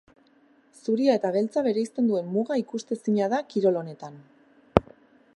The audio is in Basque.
Zuria eta beltza bereizten duen muga ikustezina da kirol honetan.